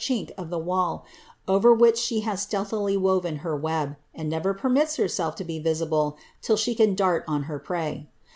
iiiik of the wall, over whirh she has stealthily woven her \uK:iMd novi r jHrniits herself to be visible till she can dart on herprtj.